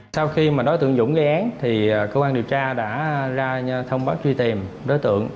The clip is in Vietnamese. sau khi đối tượng dũng gây án cơ quan điều tra đã ra thông báo truy tìm đối tượng